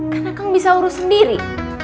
kan akang bisa urus sendiri